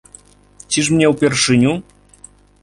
Ці ж мне ўпершыню?